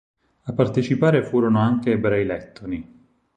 A partecipare furono anche ebrei lettoni.